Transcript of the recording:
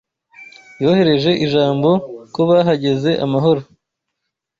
Yohereje ijambo ko bahageze amahoro.